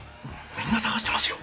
みんな捜してますよ！